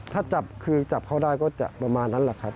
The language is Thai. ถ้าจับคือจับเขาได้ก็จะประมาณนั้นแหละครับ